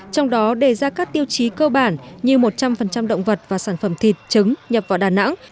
trong đó đề ra các tiêu chí cơ bản như một trăm linh động vật và sản phẩm thịt trứng nhập vào đà nẵng